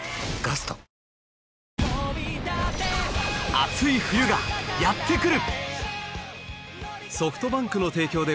熱い冬がやってくる！